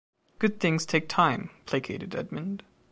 Good things take time, placated Edmund.